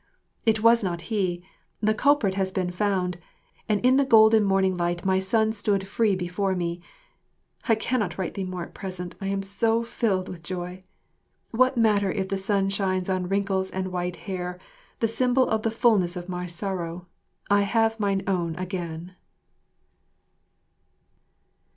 It was not he; the culprit has been found; and in the golden morning light my son stood free before me. I cannot write thee more at present, I am so filled with joy. What matter if the sun shines on wrinkles and white hair, the symbol of the fulness of my sorrow I have mine own again!